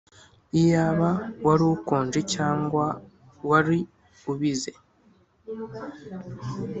Iyaba wari ukonje cyangwa wari ubize!